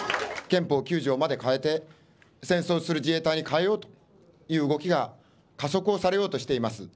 憲法９条まで変えて、戦争する自衛隊に変えようという動きが加速をされようとしています。